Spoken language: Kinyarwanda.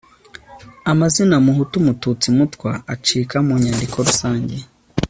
amazina muhutu, mututsi, mutwa acika mu nyandiko rusange